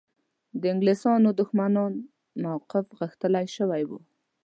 د انګلیسیانو دښمنانو موقف غښتلی شوی وای.